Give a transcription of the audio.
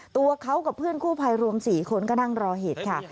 ตัวเขากับเพื่อนกู้ภัยรวม๔คนก็นั่งรอเหตุค่ะ